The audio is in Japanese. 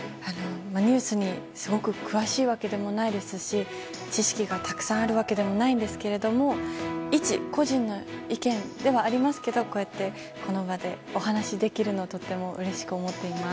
ニュースにすごく詳しいわけでもないですし知識がたくさんあるわけでもないんですけれども一個人の意見ではありますけどこの場でお話ができるのをとってもうれしく思っています。